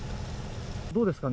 どうですかね？